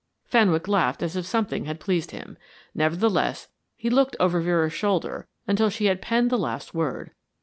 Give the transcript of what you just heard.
Fenwick laughed as if something had pleased him. Nevertheless, he looked over Vera's shoulder until she had penned the last word.